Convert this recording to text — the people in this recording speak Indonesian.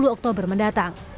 dua puluh oktober mendatang